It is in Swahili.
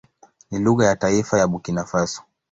Ni lugha ya taifa ya Burkina Faso.